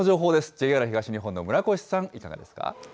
ＪＲ東日本の村越さん、いかがですか。